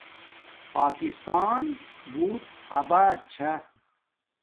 پاکستان بوت آبات چھا